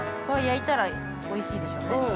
これ、焼いたらおいしいでしょうね。